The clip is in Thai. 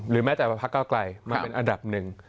หรือแม้แต่ว่าภักดิ์เกาะไกรมาเป็นอันดับหนึ่ง